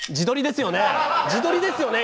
自撮りですよね？